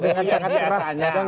dengan sangat keras